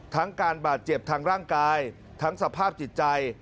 การบาดเจ็บทางร่างกายทั้งสภาพจิตใจ